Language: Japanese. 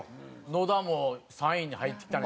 野田も３位に入ってきたね。